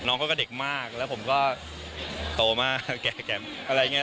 น้องเขาก็เด็กมากแล้วผมก็โตมากแก่อะไรอย่างนี้